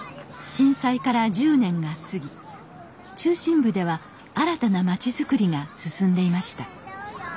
震災から１０年が過ぎ中心部では新たな町づくりが進んでいました。